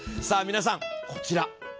さあ皆さんこちら。